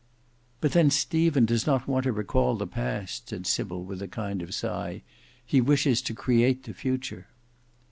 "But then Stephen does not want to recall the past," said Sybil with a kind of sigh; "he wishes to create the future."